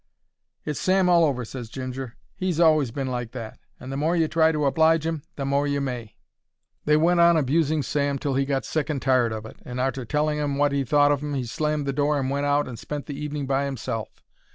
"It's Sam all over," ses Ginger; "he's always been like that, and the more you try to oblige 'im, the more you may." They went on abusing Sam till he got sick and tired of it, and arter telling 'em wot he thought of 'em he slammed the door and went out and spent the evening by 'imself.